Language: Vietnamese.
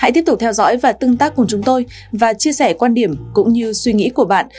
hãy tiếp tục theo dõi và tương tác cùng chúng tôi và chia sẻ quan điểm cũng như suy nghĩ của bạn